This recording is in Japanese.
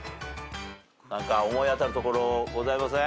何か思い当たるところございません？